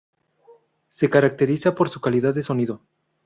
Se caracteriza por su calidad de sonido.